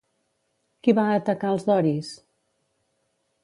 Qui va atacar els doris?